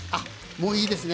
もういいですね。